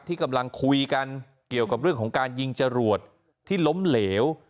ที่กำลังคุยกันเกี่ยวกับเรื่องของการยิงจรวดที่ล้มเหลว